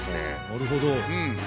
なるほど。